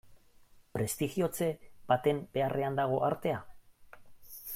Prestigiotze baten beharrean dago artea?